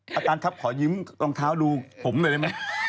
ประจันครับขอยิ้มรองเท้าดูผมด้วยได้ไหม